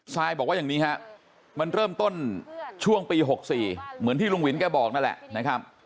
ซายบอกว่าอย่างนี้ฮะมันเริ่มต้นช่วงปี๖๔เหมือนที่ลุงวินแกบอกนั่นแหละนะครับ